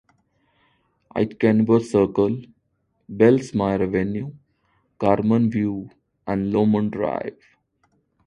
Aitkenbar Circle, Bellsmyre Avenue, Carman View and Lomond Drive.